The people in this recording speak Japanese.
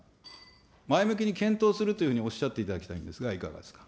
前向きに検討するというふうにおっしゃっていただきたいんですが、いかがですか。